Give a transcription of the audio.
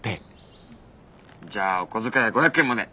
じゃあお小遣いは５００円まで。